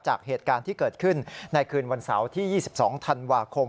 จากเหตุการณ์ที่เกิดขึ้นในคืนวันเสาร์ที่๒๒ธันวาคม